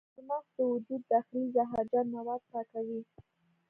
چارمغز د وجود داخلي زهرجن مواد پاکوي.